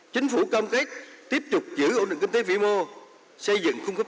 chính phủ cam kết tiếp tục giữ ổn định kinh tế vĩ mô